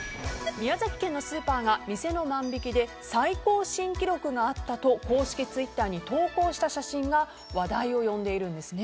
宮崎県のスーパーが店の万引で最高新記録があったと公式ツイッターに投稿した写真が話題を呼んでいます。